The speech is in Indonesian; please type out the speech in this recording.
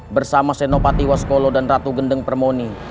bersama senopati waskolo dan ratu gendeng permoni